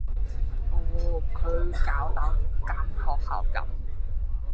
哦，佢搞到間學校噉